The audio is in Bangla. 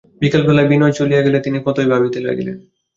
বিকালবেলায় বিনয় চলিয়া গেলে তিনি কতই ভাবিতে লাগিলেন।